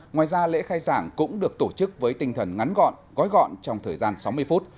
ngoài ra lễ khai giảng cũng được tổ chức với tinh thần ngắn gọn gói gọn trong thời gian sáu mươi phút